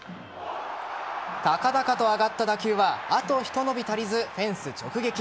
高々と上がった打球はあとひと伸び足りずフェンス直撃。